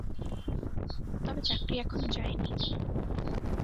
তবে চাকরি এখনো যায় নি।